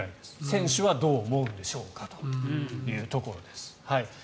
選手はどう思うんでしょうかというところです。